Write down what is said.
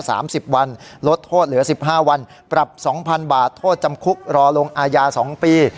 สามสิบวันลดโทษเหลือสิบห้าวันปรับสองพันบาทโทษจำคุกรอลงอาญาสองปี